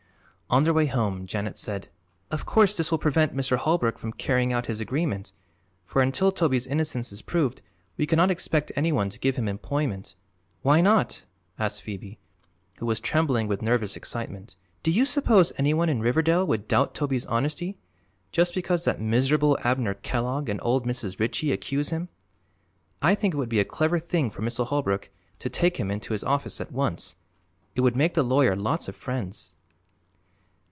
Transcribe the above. On their way home Janet said: "Of course this will prevent Mr. Holbrook from carrying out his agreement, for until Toby's innocence is proved we cannot expect anyone to give him employment." "Why not?" asked Phoebe, who was trembling with nervous excitement. "Do you suppose anyone in Riverdale would doubt Toby's honesty, just because that miserable Abner Kellogg and old Mrs. Ritchie accuse him? I think it would be a clever thing for Mr. Holbrook to take him into his office at once. It would make the lawyer lots of friends."